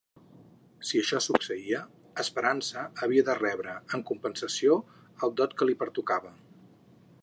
Si això succeïa, Esperança havia de rebre, en compensació, el dot que li pertocava.